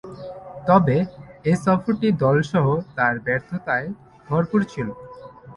তবে, এ সফরটি দলসহ তার ব্যর্থতায় ভরপুর ছিল।